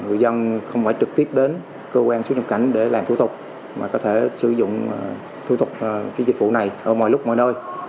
người dân không phải trực tiếp đến cơ quan xuất nhập cảnh để làm thủ tục mà có thể sử dụng thủ tục dịch vụ này ở mọi lúc mọi nơi